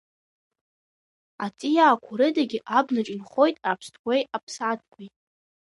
Аҵиаақәа рыдагьы абнаҿ инхоит аԥстәқәеи аԥсаатәқәеи.